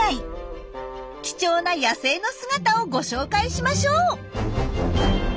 貴重な野生の姿をご紹介しましょう。